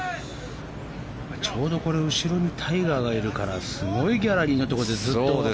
ちょうど後ろにタイガーがいるからすごいギャラリーのところでずっと。